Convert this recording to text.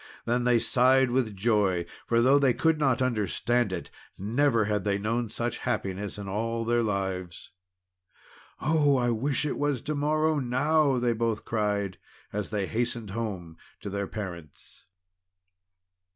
Then they sighed with joy, for, though they could not understand it, never had they known such happiness in all their lives. "Oh! I wish it was to morrow, now!" they both cried, as they hastened home to their parents.